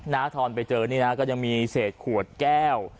ทรไปเจอนี่นะก็ยังมีเศษขวดแก้ว